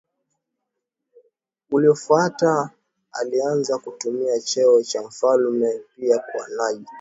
uliofuata alianza kutumia cheo cha mfalme pia kwa Najd